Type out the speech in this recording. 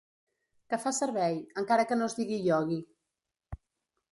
Que fa servei, encara que no es digui Iogui.